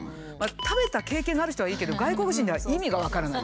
食べた経験がある人はいいけど外国人では意味が分からない。